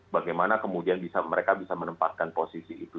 bagaimana kemudian mereka bisa menempatkan posisi itu